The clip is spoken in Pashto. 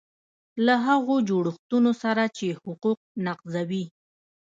له هغو جوړښتونو سره چې حقوق نقضوي.